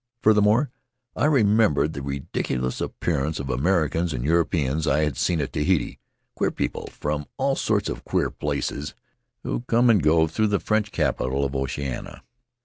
Further more, I remembered the ridiculous appearance of Americans and Europeans I had seen at Tahiti — queer people from all sorts of queer places, who come and go through the capital of French Oceania.